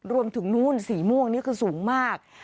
นู้นสีม่วงนี่คือสูงมาก